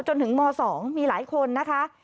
จนถึงม๒มีหลายคนนะคะ